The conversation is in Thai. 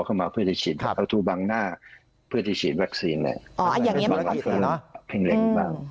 เพิ่มเพ็งเร็งบ้าง